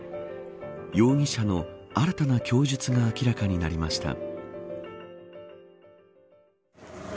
容疑者の新たな供述が明らかになりました。